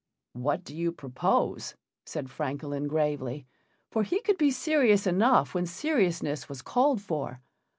"What do you propose?" said Francolin, gravely, for he could be serious enough when seriousness was called for.